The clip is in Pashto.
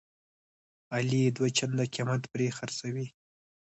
علي یې دوه چنده قیمت پرې خرڅوي.